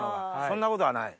そんなことはない？